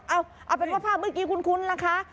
เอาเป็นว่าภาพเมื่อกี้คุ้นล่ะคะ